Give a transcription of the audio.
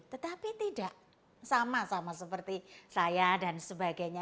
tetapi tidak sama sama seperti saya dan sebagainya